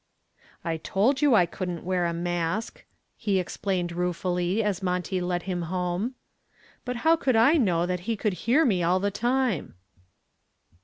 "I told you I couldn't wear a mask," he explained ruefully as Monty led him home. "But how could I know that he could hear me all the time?"